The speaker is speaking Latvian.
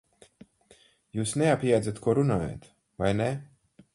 Jūs neapjēdzat, ko runājat, vai ne?